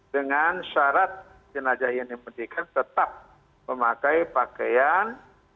dengan syarat jenazah yang dipendidikan tetap memakai pakaian